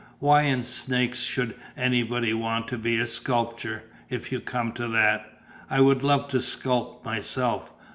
"Why in snakes should anybody want to be a sculptor, if you come to that? I would love to sculp myself.